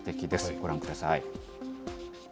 ご覧ください。